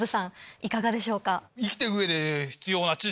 いかがでしょうか？